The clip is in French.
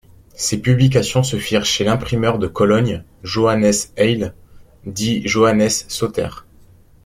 Ces publications se firent chez l'imprimeur de Cologne Johannes Heyl, dit Johannes Soter.